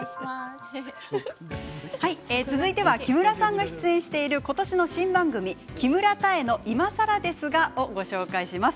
続いては木村さんが出演している今年の新番組「木村多江の、いまさらですが」をご紹介します。